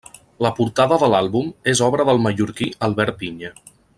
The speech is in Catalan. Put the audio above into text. La portada de l'àlbum és obra del mallorquí Albert Pinya.